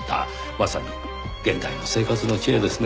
まさに現代の生活の知恵ですね。